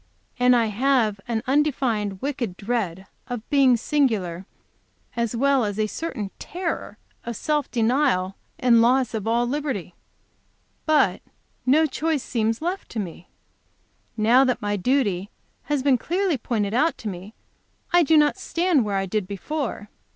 And I have an undefined, wicked dread of being singular, as well as a certain terror of self denial and loss of all liberty. But no choice seems left to me. Now that my duty has been clearly pointed out to me, I do not stand where I did before.